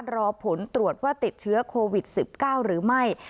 รอผลตรวจว่าติดเชื้อโควิด๑๙หรือไม่